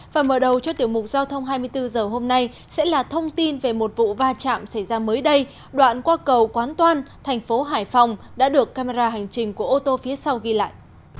và mở đầu cho tiểu mục giao thông hai mươi bốn h hôm nay sẽ là thông tin về một vụ va chạm xảy ra mới đây đoạn qua cầu quán toan thành phố hải phòng đã được camera hành trình của ô tô phía sau ghi lại